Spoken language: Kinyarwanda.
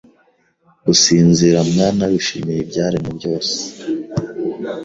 gusinzira mwana wishimiye Ibyaremwe byose